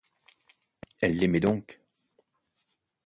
Elle l’aimait donc !